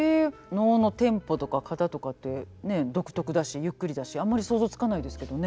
能のテンポとか型とかってねえ独特だしゆっくりだしあんまり想像つかないですけどね。